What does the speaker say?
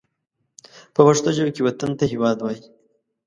په پښتو ژبه کې وطن ته هېواد وايي